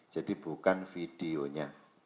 jadi bukan videonya